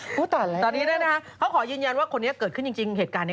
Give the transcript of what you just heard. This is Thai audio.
พูดต่อแหละนี่นะฮะเขาขอยืนยันว่าคนนี้เกิดขึ้นจริงเหตุการณ์นี้